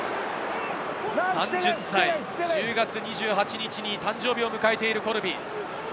３０歳、１０月２８日に誕生日を迎えているコルビ。